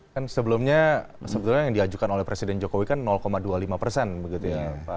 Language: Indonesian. kan sebelumnya sebetulnya yang diajukan oleh presiden jokowi kan dua puluh lima persen begitu ya